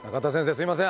すいません。